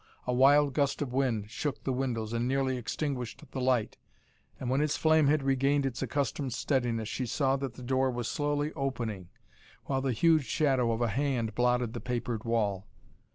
A wild gust of wind shook the windows and nearly extinguished the light, and when its flame had regained its accustomed steadiness she saw that the door was slowly opening, while the huge shadow of a hand blotted the papered wall.